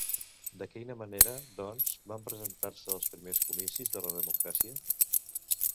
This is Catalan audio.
De quina manera, doncs, van presentar-se als primers comicis de la democràcia?